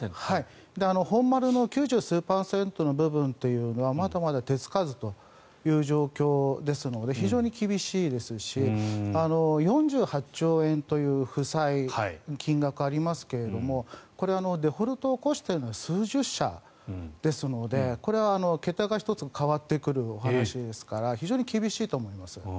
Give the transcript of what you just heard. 本丸の９０数パーセントの部分はまだまだ手付かずという状況ですので非常に厳しいですし４８兆円という負債金額、ありますけどこれはデフォルトを起こしたのは数十社ですのでこれは桁が１つ変わってくるお話ですから非常に厳しいと思います。